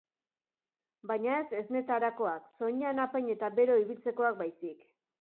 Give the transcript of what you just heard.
Baina ez esnetarakoak, soinean apain eta bero ibiltzekoak baizik.